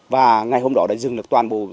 và ngày hôm đó đã dừng được toàn bộ